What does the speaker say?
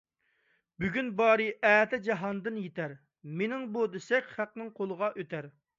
بۈگۈن بارى ئەتە جاھاندىن يىتەر، «مېنىڭ بۇ» دېسەڭ خەق قولىغا ئۆتەر.